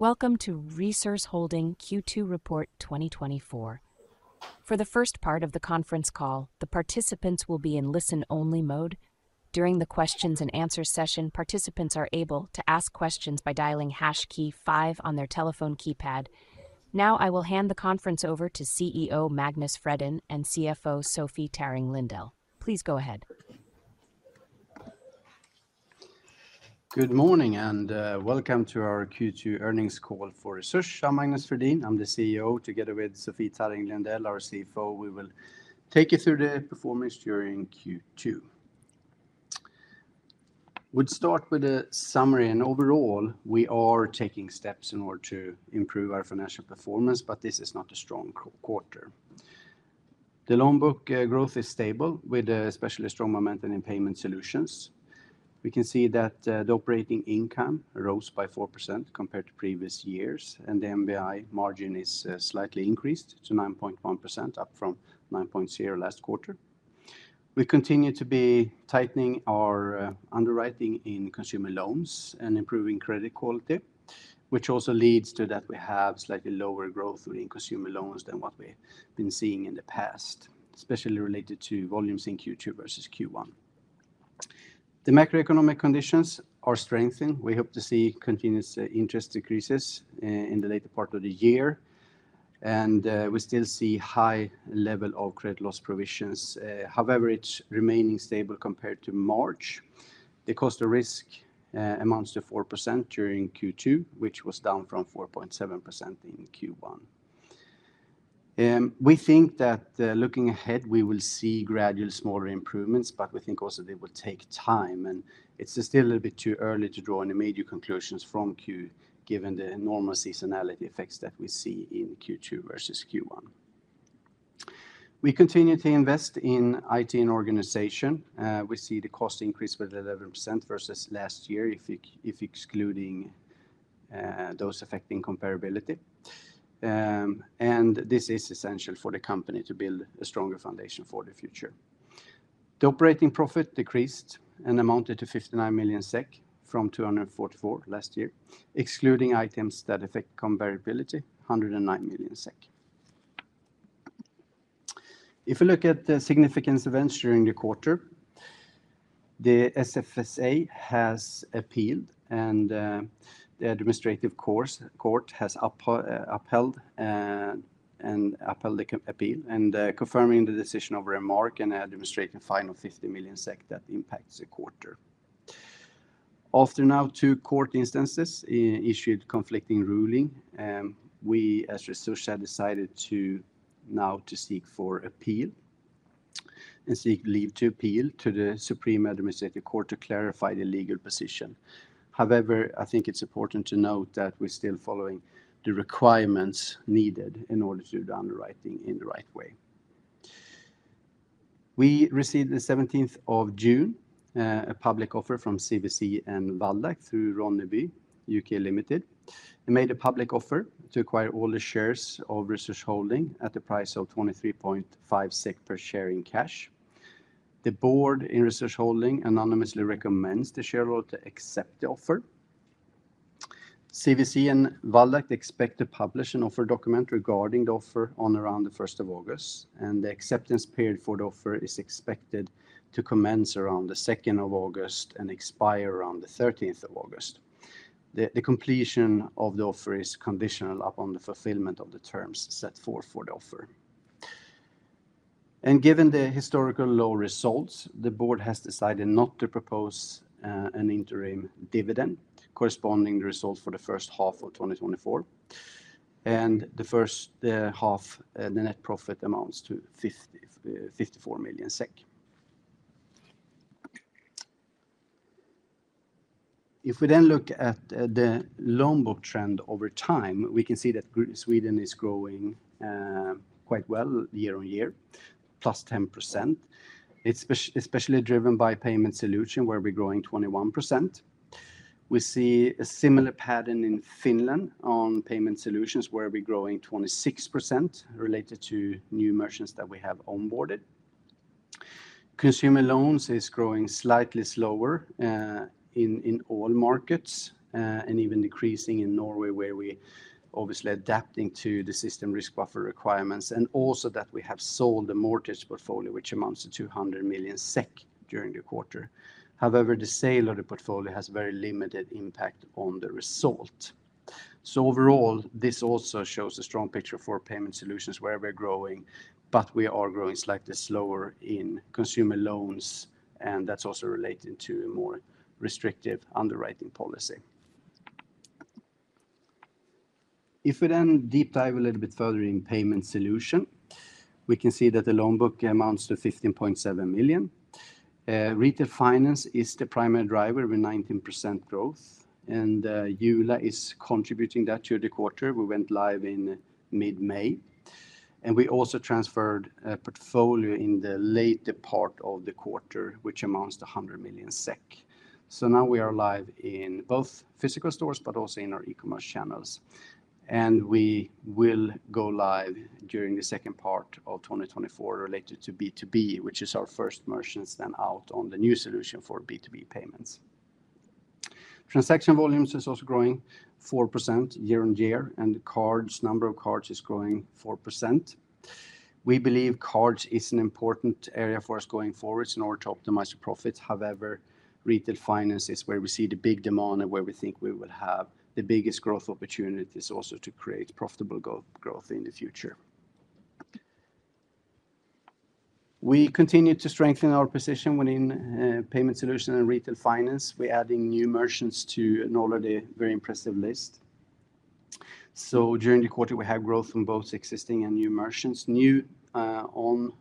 Welcome to Resurs Holding Q2 Report 2024. For the first part of the conference call, the participants will be in listen-only mode. During the questions and answer session, participants are able to ask questions by dialing hash key five on their telephone keypad. Now, I will hand the conference over to CEO Magnus Fredin and CFO Sofie Tarring Lindell. Please go ahead. Good morning, and welcome to our Q2 earnings call for Resurs. I'm Magnus Fredin, I'm the CEO, together with Sofie Tarring Lindell, our CFO. We will take you through the performance during Q2. We'd start with a summary, and overall, we are taking steps in order to improve our financial performance, but this is not a strong quarter. The loan book growth is stable, with an especially strong momentum in payment solutions. We can see that the operating income rose by 4% compared to previous years, and the NBI margin is slightly increased to 9.1%, up from 9.0% last quarter. We continue to be tightening our underwriting in consumer loans and improving credit quality, which also leads to that we have slightly lower growth in consumer loans than what we've been seeing in the past, especially related to volumes in Q2 versus Q1. The macroeconomic conditions are strengthening. We hope to see continuous interest decreases in the later part of the year, and we still see high level of credit loss provisions. However, it's remaining stable compared to March. The cost of risk amounts to 4% during Q2, which was down from 4.7% in Q1. We think that, looking ahead, we will see gradual smaller improvements, but we think also they will take time, and it's still a little bit too early to draw any immediate conclusions from Q, given the enormous seasonality effects that we see in Q2 versus Q1. We continue to invest in IT and organization. We see the cost increase by 11% versus last year, if excluding those affecting comparability. And this is essential for the company to build a stronger foundation for the future. The operating profit decreased and amounted to 59 million SEK from 244 last year, excluding items that affect comparability, 109 million SEK. If you look at the significant events during the quarter, the SFSA has appealed and the administrative court has upheld the appeal, confirming the decision of the SFSA and administrative fine of 50 million SEK that impacts the quarter. After now, two court instances issued conflicting ruling, we, as Resurs, have decided to now seek for appeal, and seek leave to appeal to the Supreme Administrative Court to clarify the legal position. However, I think it's important to note that we're still following the requirements needed in order to do the underwriting in the right way. We received the seventeenth of June a public offer from CVC and Waldakt through Ronneby UK Limited, and made a public offer to acquire all the shares of Resurs Holding at the price of 23.5 SEK per share in cash. The board in Resurs Holding unanimously recommends the shareholder to accept the offer. CVC and Waldakt expect to publish an offer document regarding the offer on around the first of August, and the acceptance period for the offer is expected to commence around the second of August and expire on the thirteenth of August. The completion of the offer is conditional upon the fulfillment of the terms set forth for the offer. Given the historical low results, the board has decided not to propose an interim dividend corresponding to the result for the first half of 2024, and the first half the net profit amounts to 54 million SEK. If we then look at the loan book trend over time, we can see that Sweden is growing quite well year-on-year, +10%. It's especially driven by payment solution, where we're growing 21%. We see a similar pattern in Finland on payment solutions, where we're growing 26% related to new merchants that we have onboarded. Consumer loans is growing slightly slower in all markets and even decreasing in Norway, where we obviously adapting to the system risk buffer requirements, and also that we have sold the mortgage portfolio, which amounts to 200 million SEK during the quarter. However, the sale of the portfolio has very limited impact on the result. So overall, this also shows a strong picture for payment solutions where we're growing, but we are growing slightly slower in consumer loans, and that's also related to a more restrictive underwriting policy. If we then deep dive a little bit further in payment solution, we can see that the loan book amounts to 15.7 million. Retail finance is the primary driver with 19% growth, and Jula is contributing that to the quarter. We went live in mid-May, and we also transferred a portfolio in the later part of the quarter, which amounts to 100 million SEK. So now we are live in both physical stores, but also in our e-commerce channels... and we will go live during the second part of 2024 related to B2B, which is our first merchants then out on the new solution for B2B payments. Transaction volumes is also growing 4% year-on-year, and cards, number of cards is growing 4%. We believe cards is an important area for us going forward in order to optimize the profits. However, retail finance is where we see the big demand and where we think we will have the biggest growth opportunities also to create profitable growth in the future. We continue to strengthen our position within payment solution and retail finance. We're adding new merchants to an already very impressive list. So during the quarter, we have growth from both existing and new merchants. New on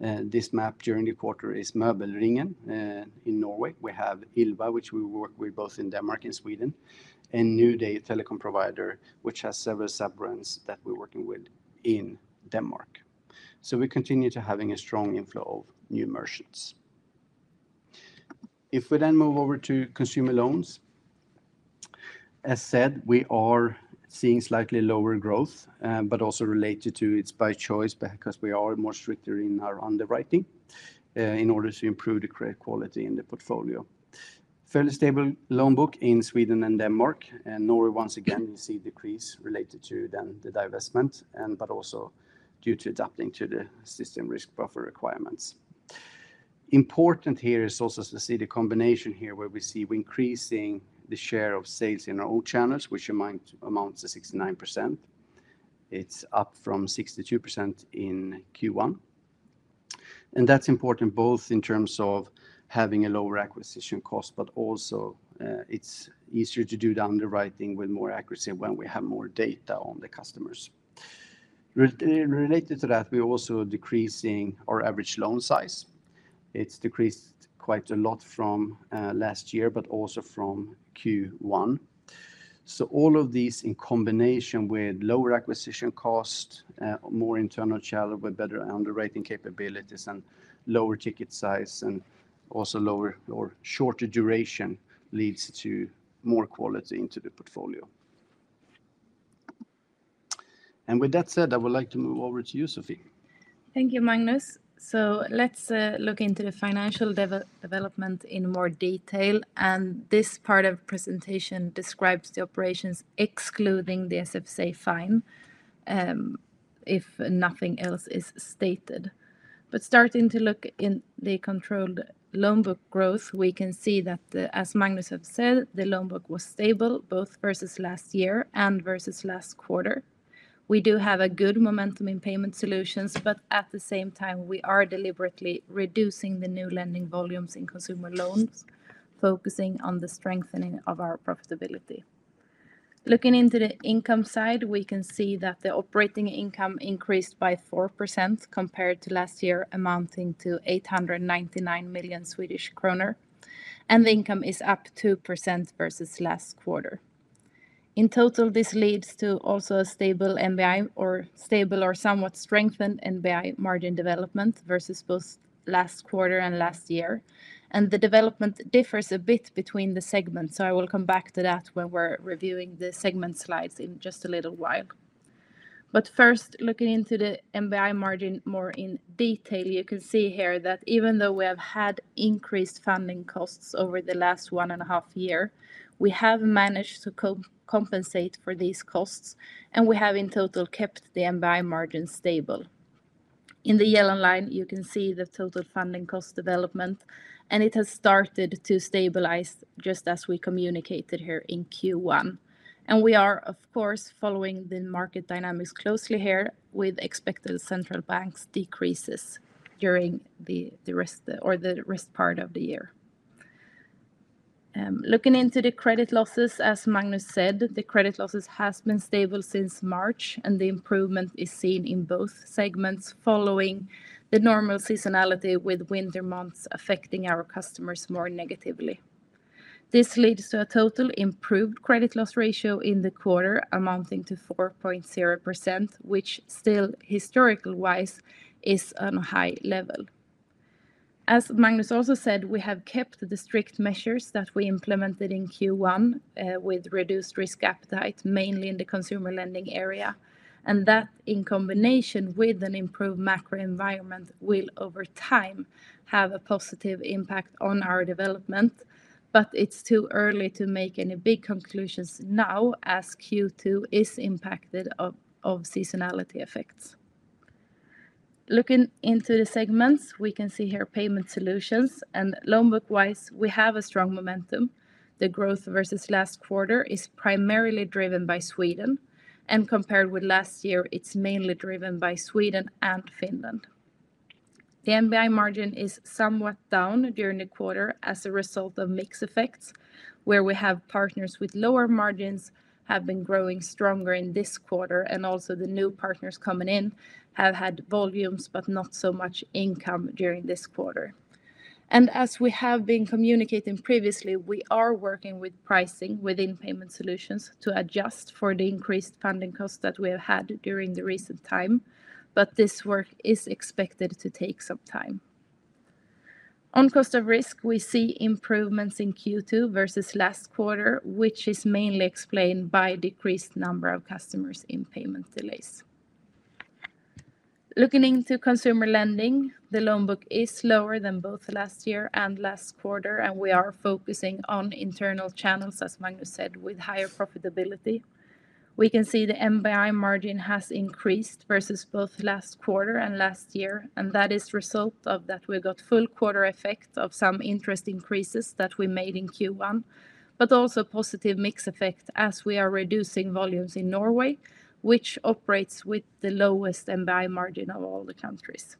this map during the quarter is Möbelringen in Norway. We have ILVA, which we work with both in Denmark and Sweden, and Nuuday Telecom Provider, which has several sub-brands that we're working with in Denmark. So we continue to having a strong inflow of new merchants. If we then move over to consumer loans, as said, we are seeing slightly lower growth, but also related to it's by choice, because we are more stricter in our underwriting, in order to improve the credit quality in the portfolio. Fairly stable loan book in Sweden and Denmark, and Norway, once again, you see decrease related to then the divestment and but also due to adapting to the system risk buffer requirements. Important here is also to see the combination here, where we see we're increasing the share of sales in our own channels, which amount, amounts to 69%. It's up from 62% in Q1, and that's important both in terms of having a lower acquisition cost, but also, it's easier to do the underwriting with more accuracy when we have more data on the customers. Related to that, we're also decreasing our average loan size. It's decreased quite a lot from last year, but also from Q1. So all of these, in combination with lower acquisition cost, more internal channel with better underwriting capabilities, and lower ticket size, and also lower or shorter duration, leads to more quality into the portfolio. And with that said, I would like to move over to you, Sofie. Thank you, Magnus. So let's look into the financial development in more detail, and this part of presentation describes the operations excluding the SFSA fine, if nothing else is stated. But starting to look in the controlled loan book growth, we can see that the, as Magnus have said, the loan book was stable both versus last year and versus last quarter. We do have a good momentum in payment solutions, but at the same time, we are deliberately reducing the new lending volumes in consumer loans, focusing on the strengthening of our profitability. Looking into the income side, we can see that the operating income increased by 4% compared to last year, amounting to 899 million Swedish kronor, and the income is up 2% versus last quarter. In total, this leads to also a stable NBI or stable or somewhat strengthened NBI margin development versus both last quarter and last year, and the development differs a bit between the segments, so I will come back to that when we're reviewing the segment slides in just a little while. But first, looking into the NBI margin more in detail, you can see here that even though we have had increased funding costs over the last 1.5 year, we have managed to co-compensate for these costs, and we have, in total, kept the NBI margin stable. In the yellow line, you can see the total funding cost development, and it has started to stabilize just as we communicated here in Q1. We are, of course, following the market dynamics closely here, with expected central banks decreases during the rest of the year. Looking into the credit losses, as Magnus said, the credit losses has been stable since March, and the improvement is seen in both segments following the normal seasonality, with winter months affecting our customers more negatively. This leads to a total improved credit loss ratio in the quarter, amounting to 4.0%, which still, historical-wise, is on a high level. As Magnus also said, we have kept the strict measures that we implemented in Q1, with reduced risk appetite, mainly in the consumer lending area, and that, in combination with an improved macro environment, will, over time, have a positive impact on our development. But it's too early to make any big conclusions now, as Q2 is impacted by seasonality effects. Looking into the segments, we can see here Payment Solutions, and loan book-wise, we have a strong momentum. The growth versus last quarter is primarily driven by Sweden, and compared with last year, it's mainly driven by Sweden and Finland. The NBI margin is somewhat down during the quarter as a result of mix effects, where we have partners with lower margins have been growing stronger in this quarter, and also the new partners coming in have had volumes, but not so much income during this quarter. And as we have been communicating previously, we are working with pricing within Payment Solutions to adjust for the increased funding costs that we have had during the recent time, but this work is expected to take some time. On cost of risk, we see improvements in Q2 versus last quarter, which is mainly explained by decreased number of customers in payment delays. Looking into consumer lending, the loan book is lower than both last year and last quarter, and we are focusing on internal channels, as Magnus said, with higher profitability. We can see the NBI margin has increased versus both last quarter and last year, and that is result of that we've got full quarter effect of some interest increases that we made in Q1, but also positive mix effect as we are reducing volumes in Norway, which operates with the lowest NBI margin of all the countries.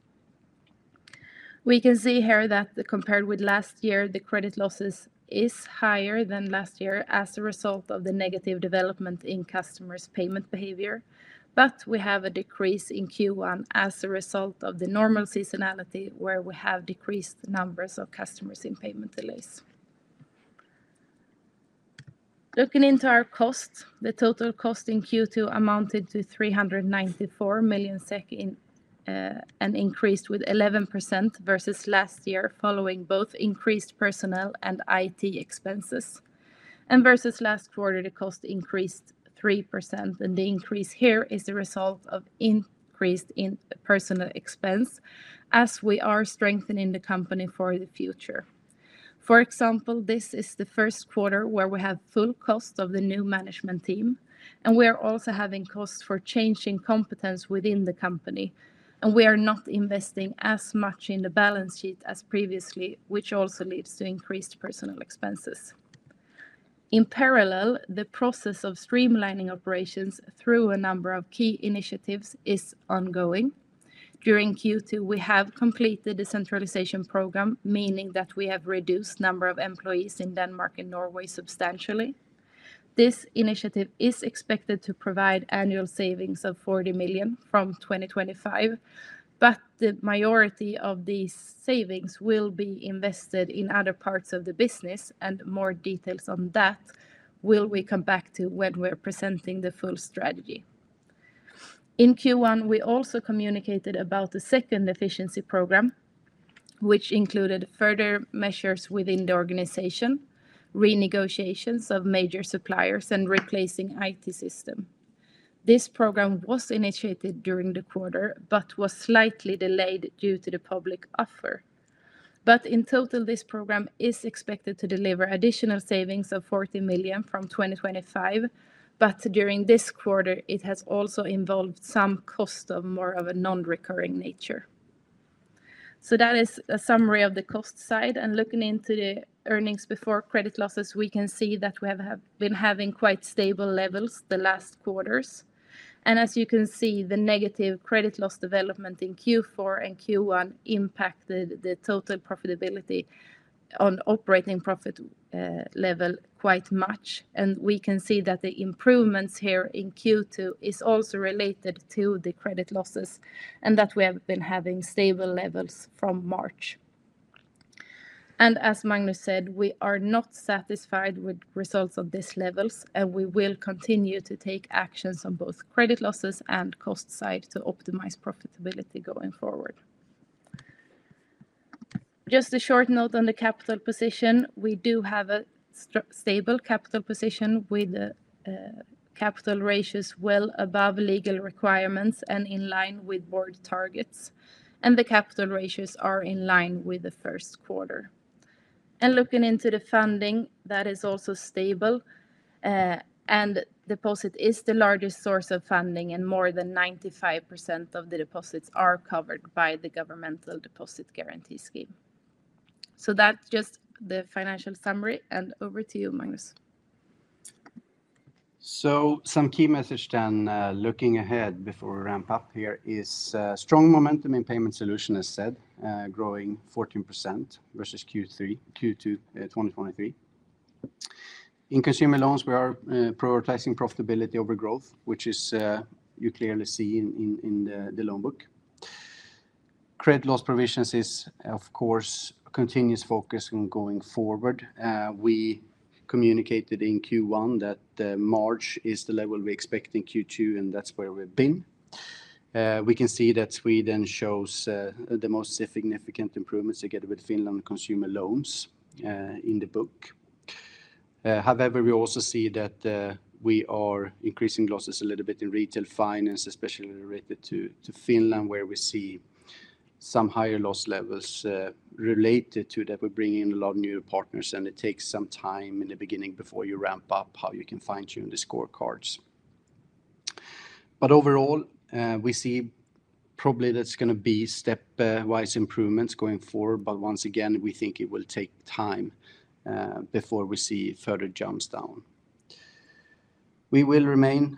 We can see here that compared with last year, the credit losses is higher than last year as a result of the negative development in customers' payment behavior. But we have a decrease in Q1 as a result of the normal seasonality, where we have decreased numbers of customers in payment delays. Looking into our costs, the total cost in Q2 amounted to 394 million SEK and increased with 11% versus last year, following both increased personnel and IT expenses. Versus last quarter, the cost increased 3%, and the increase here is the result of increased in personnel expense as we are strengthening the company for the future. For example, this is the first quarter where we have full cost of the new management team, and we are also having costs for changing competence within the company, and we are not investing as much in the balance sheet as previously, which also leads to increased personnel expenses. In parallel, the process of streamlining operations through a number of key initiatives is ongoing. During Q2, we have completed the centralization program, meaning that we have reduced number of employees in Denmark and Norway substantially. This initiative is expected to provide annual savings of 40 million from 2025, but the majority of these savings will be invested in other parts of the business, and more details on that will we come back to when we're presenting the full strategy. In Q1, we also communicated about the second efficiency program, which included further measures within the organization, renegotiations of major suppliers, and replacing IT system. This program was initiated during the quarter but was slightly delayed due to the public offer. But in total, this program is expected to deliver additional savings of 40 million from 2025, but during this quarter, it has also involved some cost of more of a non-recurring nature. So that is a summary of the cost side, and looking into the earnings before credit losses, we can see that we have been having quite stable levels the last quarters. And as you can see, the negative credit loss development in Q4 and Q1 impacted the total profitability on operating profit level quite much, and we can see that the improvements here in Q2 is also related to the credit losses, and that we have been having stable levels from March. And as Magnus said, we are not satisfied with results of these levels, and we will continue to take actions on both credit losses and cost side to optimize profitability going forward. Just a short note on the capital position. We do have a stable capital position with capital ratios well above legal requirements and in line with board targets, and the capital ratios are in line with the first quarter. Looking into the funding, that is also stable, and deposit is the largest source of funding, and more than 95% of the deposits are covered by the governmental deposit guarantee scheme. So that's just the financial summary, and over to you, Magnus. So some key message then, looking ahead before we ramp up here is strong momentum in payment solution, as said, growing 14% versus Q2 2023. In consumer loans, we are prioritizing profitability over growth, which is you clearly see in the loan book. Credit loss provisions is, of course, continuous focus on going forward. We communicated in Q1 that March is the level we expect in Q2, and that's where we've been. We can see that Sweden shows the most significant improvements together with Finland consumer loans in the book. However, we also see that we are increasing losses a little bit in retail finance, especially related to Finland, where we see some higher loss levels related to that we're bringing in a lot of new partners, and it takes some time in the beginning before you ramp up how you can fine-tune the scorecards. But overall, we see probably that's gonna be stepwise improvements going forward, but once again, we think it will take time before we see further jumps down. We will remain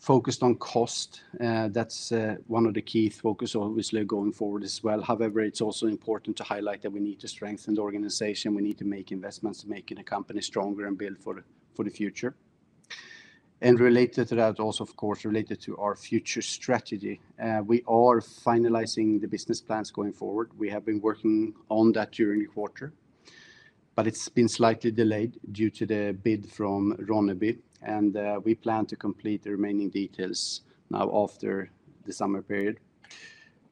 focused on cost. That's one of the key focus obviously going forward as well. However, it's also important to highlight that we need to strengthen the organization. We need to make investments, making the company stronger and build for the future. And related to that also, of course, related to our future strategy, we are finalizing the business plans going forward. We have been working on that during the quarter, but it's been slightly delayed due to the bid from Ronneby, and we plan to complete the remaining details now after the summer period.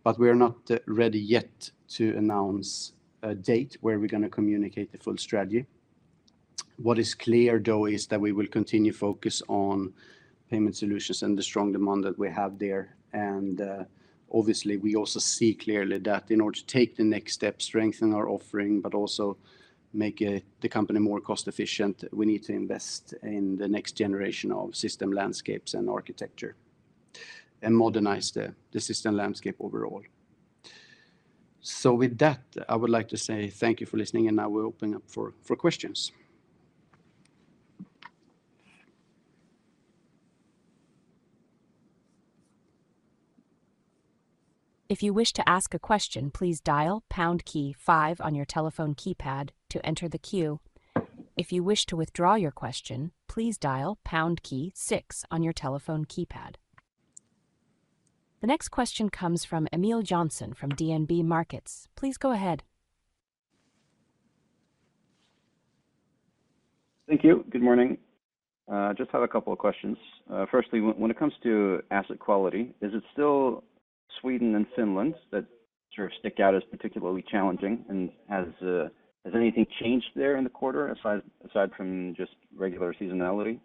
But we are not ready yet to announce a date where we're going to communicate the full strategy. What is clear, though, is that we will continue focus on payment solutions and the strong demand that we have there, and obviously, we also see clearly that in order to take the next step, strengthen our offering, but also make the company more cost efficient, we need to invest in the next generation of system landscapes and architecture, and modernize the system landscape overall. With that, I would like to say thank you for listening, and now we're opening up for questions. If you wish to ask a question, please dial pound key five on your telephone keypad to enter the queue. If you wish to withdraw your question, please dial pound key six on your telephone keypad. The next question comes from Emil Jonsson from DNB Markets. Please go ahead. Thank you. Good morning. Just have a couple of questions. Firstly, when it comes to asset quality, is it still Sweden and Finland that sort of stick out as particularly challenging, and has anything changed there in the quarter, aside from just regular seasonality?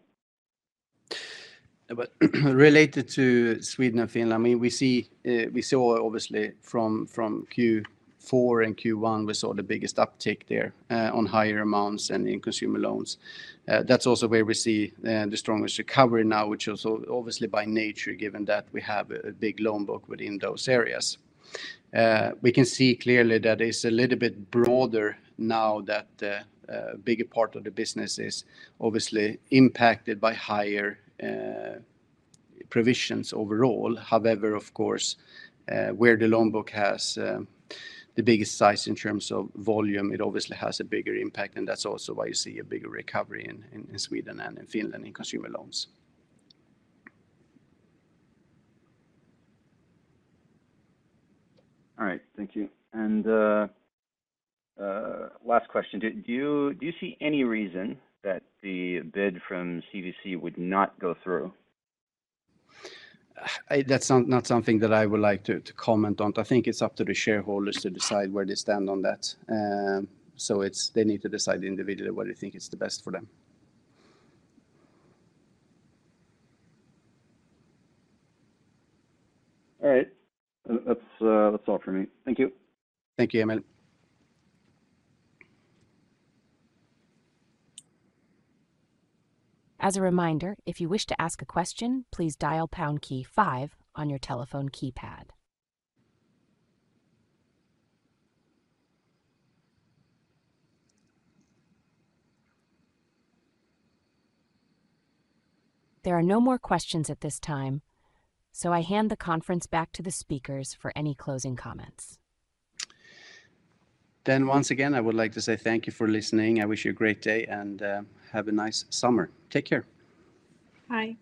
But related to Sweden and Finland, I mean, we see, we saw obviously from, from Q4 and Q1, we saw the biggest uptick there, on higher amounts and in consumer loans. That's also where we see, the strongest recovery now, which is obviously by nature, given that we have a, a big loan book within those areas. We can see clearly that it's a little bit broader now that, a bigger part of the business is obviously impacted by higher, provisions overall. However, of course, where the loan book has, the biggest size in terms of volume, it obviously has a bigger impact, and that's also why you see a bigger recovery in, in, in Sweden and in Finland, in consumer loans. All right. Thank you. And last question, do you see any reason that the bid from CVC would not go through? That's not something that I would like to comment on. I think it's up to the shareholders to decide where they stand on that. They need to decide individually what they think is the best for them. All right. That's, that's all for me. Thank you. Thank you, Emil. As a reminder, if you wish to ask a question, please dial pound key five on your telephone keypad. There are no more questions at this time, so I hand the conference back to the speakers for any closing comments. Once again, I would like to say thank you for listening. I wish you a great day, and have a nice summer. Take care. Bye.